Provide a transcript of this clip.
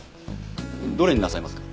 どれになさいますか？